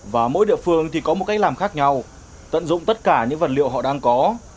và mỗi địa phương thì có một cách làm khác nhau tận dụng tất cả những vật liệu họ đang có